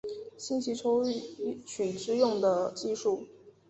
信息抽取之用的技术。